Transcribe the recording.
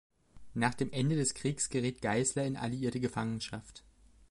Nach dem Ende des Krieges geriet Geißler in alliierte Gefangenschaft.